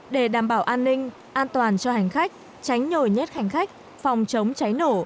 để đảm bảo an ninh an toàn cho hành khách tránh nhồi nhét hành khách phòng chống cháy nổ